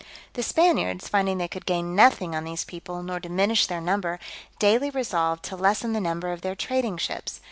The Spaniards, finding they could gain nothing on these people, nor diminish their number, daily resolved to lessen the number of their trading ships.